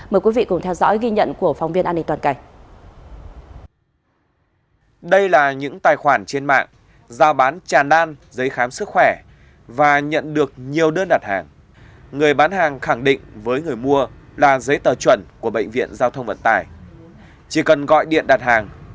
mời quý vị cùng theo dõi ghi nhận của phóng viên an ninh toàn cảnh